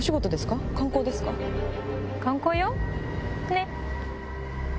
ねっ！